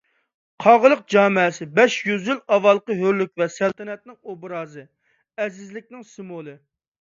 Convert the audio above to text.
قاغىلىق جامەسى بەش يۈز يىل ئاۋۋالقى ھۆرلۈك ۋە سەلتەنەتنىڭ ئوبرازى، ئەزىزلىكنىڭ سىمۋولى.